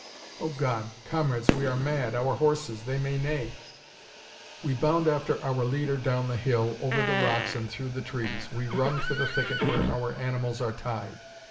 "Oh, God! comrades, we are mad! Our horses: they may neigh!" We bound after our leader down the hill, over the rocks, and through the trees. We run for the thicket where our animals are tied.